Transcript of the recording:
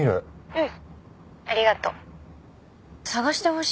うん。